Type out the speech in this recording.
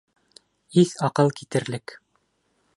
Иҫ-аҡыл китерлек.